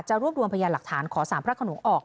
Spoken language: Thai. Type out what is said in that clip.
รวบรวมพยานหลักฐานขอสารพระขนงออก